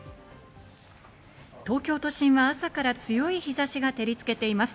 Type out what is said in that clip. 東京都心は朝から強い日差しが照りつけています。